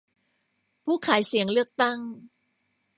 ผู้ขายเสียงเลือกตั้ง